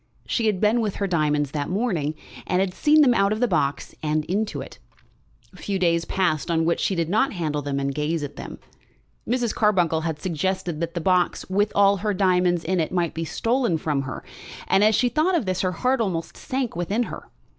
She had been with her diamonds that morning, and had seen them out of the box and into it. Few days passed on which she did not handle them and gaze at them. Mrs. Carbuncle had suggested that the box, with all her diamonds in it, might be stolen from her, and as she thought of this her heart almost sank within her.